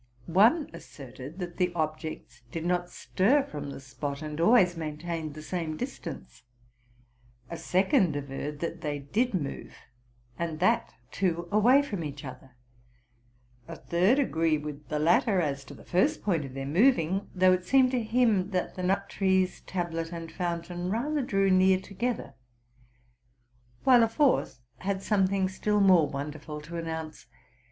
One asserted that the objects did not stir from the spot, and always main tained the same distance; a second averred that they did move, and that, too, away from each other; a third agreed with the latter as to the first point of their moving, though it seemed to him that the nut trees, tablet, and fountain rather drew near together; while a fourth had something still more wonderful to announce.